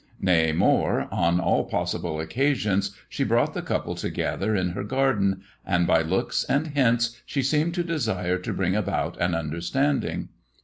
Nay, more, on all possible occasions she brought the couple together in her garden, and by looks and hints she seemed to desire to p bring about an understanding.